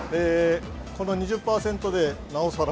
この２０％でなおさら。